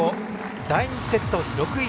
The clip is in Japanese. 第２セット６−１。